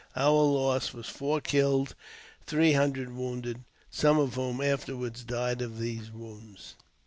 Our loss was four killed and three hundred wounded, i some of whom afterwards died of their wounds.